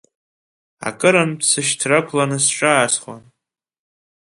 Акырынтә сышьҭрақәланы сҿаасхон.